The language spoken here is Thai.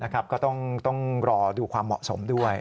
ก็ต้องรอดูความเหมาะสมด้วย